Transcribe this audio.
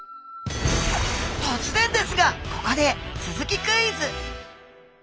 突然ですがここでスズキクイズ！